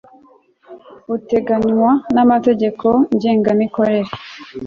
buteganywa n amategeko ngengamikorere